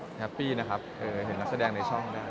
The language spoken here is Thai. จะพอในช่องนี้หรือช่อง๓เริ่ม๙เข้าไปในจีนได้